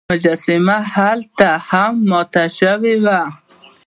مجسمه هلته هم ماته شوې وه.